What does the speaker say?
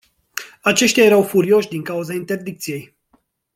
Aceștia erau furioși din cauza interdicției.